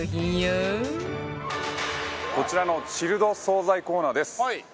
齊藤：こちらのチルド惣菜コーナーです。